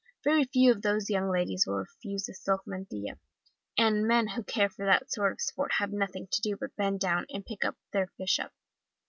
Very few of those young ladies will refuse a silk mantilla, and men who care for that sort of sport have nothing to do but bend down and pick their fish up.